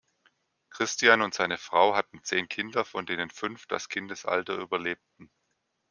Christian und seine Frau hatten zehn Kinder, von denen fünf das Kindesalter überlebten.